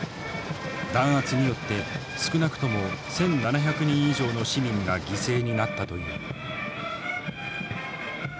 弾圧によって少なくとも１，７００人以上の市民が犠牲になったという。